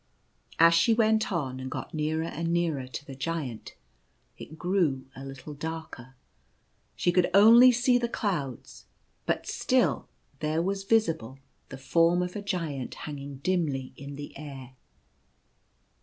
As she went on, and got nearer and nearer to the Giant, it grew a little darker. She could see only the clouds ; but still there was visible the form of a Giant hanging dimly in the air.